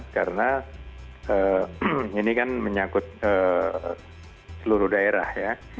karena ini kan menyangkut seluruh daerah ya